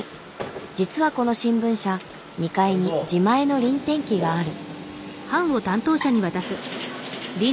実はこの新聞社２階に自前の輪転機がある。